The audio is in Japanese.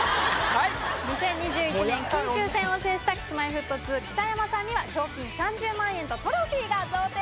２０２１年金秋戦を制したＫｉｓ−Ｍｙ−Ｆｔ２・北山さんには賞金３０万円とトロフィーが贈呈されます。